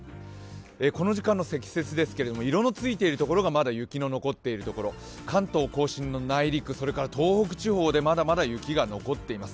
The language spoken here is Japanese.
この時間の積雪ですけれども、色のついているところがまだ雪の残っているところ、関東甲信の内陸、それから東北地方でまだまだ雪が残っています。